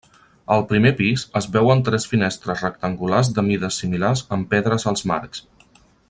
Al primer pis, es veuen tres finestres rectangulars de mides similars amb pedres als marcs.